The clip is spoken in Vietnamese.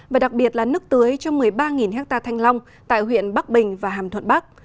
và đặc biệt là nước tưới cho một mươi ba ha thanh long tại huyện bắc bình và hàm thuận bắc